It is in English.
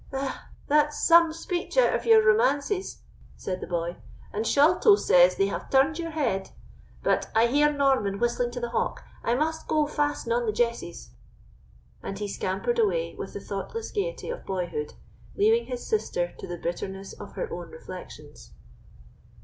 "Ah! that's some speech out of your romances," said the boy; "and Sholto says they have turned your head. But I hear Norman whistling to the hawk; I must go fasten on the jesses." And he scampered away with the thoughtless gaiety of boyhood, leaving his sister to the bitterness of her own reflections.